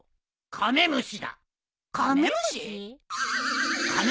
カメムシ。